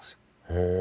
へえ。